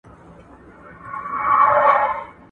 زه به سبا د ښوونځی لپاره تياری کوم؟!